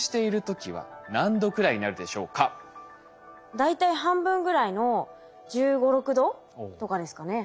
大体半分ぐらいの１５１６℃とかですかね。